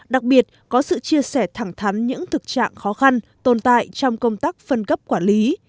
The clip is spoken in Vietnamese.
đặc biệt có sự chia sẻ thẳng thắn những thực trạng khó khăn tồn tại trong công tác phân cấp quản lý